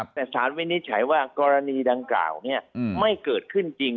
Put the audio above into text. แต่สารวินิจฉัยว่ากรณีดังกล่าวไม่เกิดขึ้นจริง